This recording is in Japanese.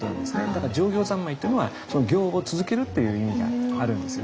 だから常行三昧っていうのは行を続けるっていう意味があるんですよね。